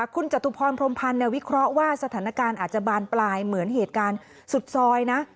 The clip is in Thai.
คุณจตุพรพรมพันธ์วิเคราะห์ว่าสถานการณ์อาจจะบานปลายเหมือนเหตุการณ์สุดซอยนะ